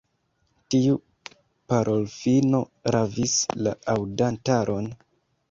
Tiu parolfino ravis la aŭdantaron.